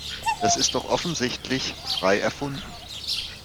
Das ist doch offensichtlich frei erfunden.